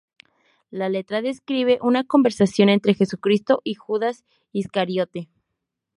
La letra describe una conversación entre Jesucristo y Judas Iscariote.